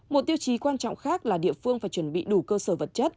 một tiêu chí quan trọng khác là địa phương phải chuẩn bị đủ cơ sở